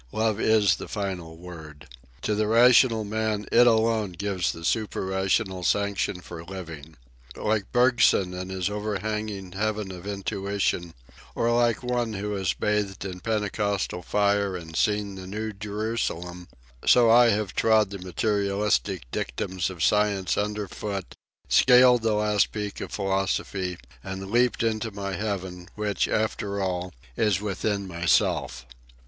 Love is the final word. To the rational man it alone gives the super rational sanction for living. Like Bergson in his overhanging heaven of intuition, or like one who has bathed in Pentecostal fire and seen the New Jerusalem, so I have trod the materialistic dictums of science underfoot, scaled the last peak of philosophy, and leaped into my heaven, which, after all, is within myself.